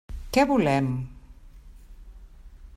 Què volem?